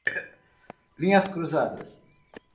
Linhas cruzadas